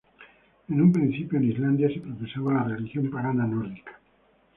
En un principio en Islandia se profesaba la religión pagana nórdica.